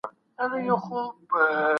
د دلارام بازار د شپې لخوا هم ډېر روښانه وي